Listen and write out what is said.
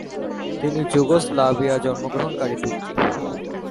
তিনি যুগোস্লাভিয়া জন্মগ্রহণকারী তুর্কি।